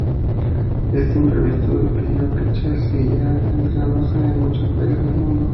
Este imprevisto no impidió que Chess siguiera estrenándose en muchos países del mundo.